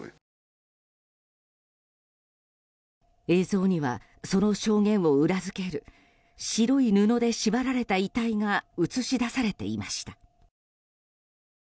映像にはその証言を裏付ける白い布で縛られた遺体が映し出されていました。